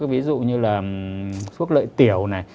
ví dụ như là thuốc lợi tiểu này